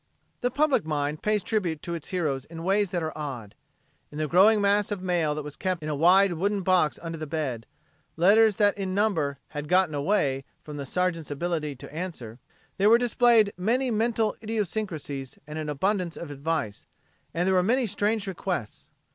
The public mind pays tribute to its heroes in ways that are odd. In the growing mass of mail that was kept in a wide wooden box under the bed letters that in number "had got away" from the Sergeant's ability to answer there were displayed many mental idiosyncrasies and an abundance of advice, and there were many strange requests.